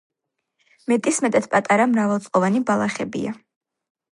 მეტისმეტად პატარა მრავალწლოვანი ბალახებია.